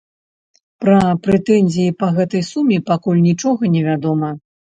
Пра прэтэнзіі па гэтай суме пакуль нічога невядома.